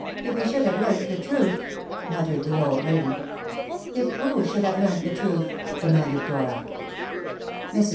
if he should have learnt the truth!" muttered the old lady. "If who should have learnt the truth?" demanded Dora. Mrs.